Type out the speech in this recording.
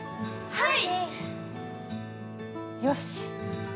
はい！